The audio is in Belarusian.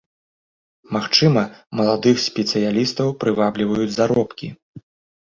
Магчыма, маладых спецыялістаў прывабліваюць заробкі.